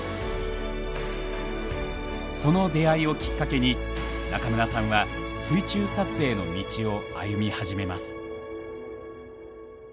その出会いをきっかけに中村さんは水中撮影の道を歩み始めます。